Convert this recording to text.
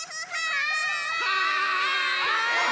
はい！